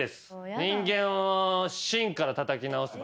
人間を心からたたき直す。